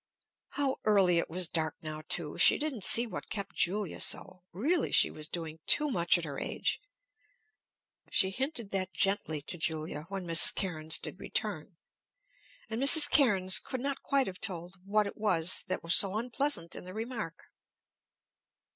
How early it was dark now, too! She didn't see what kept Julia so, really she was doing too much at her age. She hinted that gently to Julia when Mrs. Cairnes did return. And Mrs. Cairnes could not quite have told what it was that was so unpleasant in the remark.